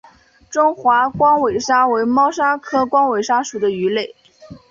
中华光尾鲨为猫鲨科光尾鲨属的鱼类。